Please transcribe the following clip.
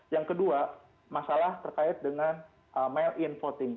yang kedua masalah terkait dengan mail in voting